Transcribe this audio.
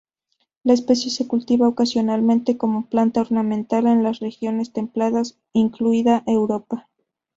La especie se cultiva ocasionalmente como planta ornamental en las regiones templadas, incluida Europa.